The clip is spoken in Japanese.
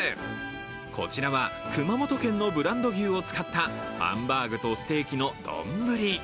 こちらは熊本県のブランド牛を使ったハンバーグとステーキの丼。